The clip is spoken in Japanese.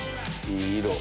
いい色。